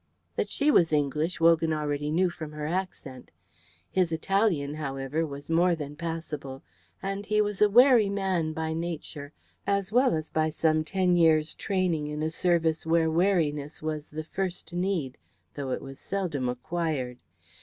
That she was English, Wogan already knew from her accent. His Italian, however, was more than passable, and he was a wary man by nature as well as by some ten years' training in a service where wariness was the first need, though it was seldom acquired.